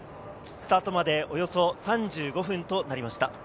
スタートまでおよそ３５分となりました。